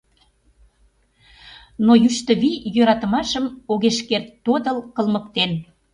Но йӱштӧ вий йӧратымашым Огеш керт тодыл, кылмыктен.